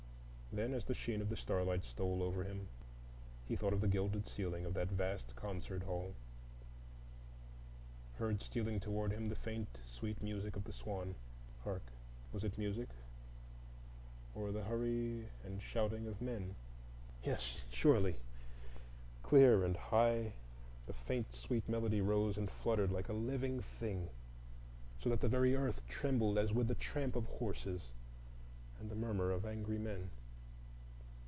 Then as the sheen of the starlight stole over him, he thought of the gilded ceiling of that vast concert hall, heard stealing toward him the faint sweet music of the swan. Hark! was it music, or the hurry and shouting of men? Yes, surely! Clear and high the faint sweet melody rose and fluttered like a living thing, so that the very earth trembled as with the tramp of horses and murmur of angry men.